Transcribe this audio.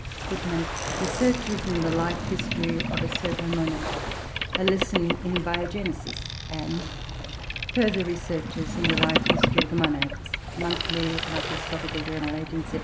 [Footnote 5: "Researches in the Life history of a Cercomonad: a Lesson in Biogenesis"; and "Further Researches in the Life history of the Monads," Monthly Microscopical Journal, 1873.